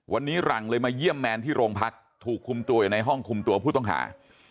วันนี้หลังเลยมาเยี่ยมแมนที่โรงพักถูกคุมตัวอยู่ในห้องคุมตัวผู้ต้องหา